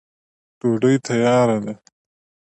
ډوډۍ تیاره ده.